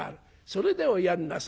それでおやんなさい」。